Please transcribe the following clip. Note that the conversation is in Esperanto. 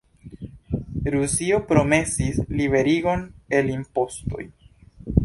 Rusio promesis liberigon el impostoj.